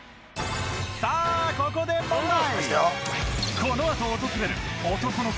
さあここで問題